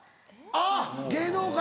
あっ芸能界。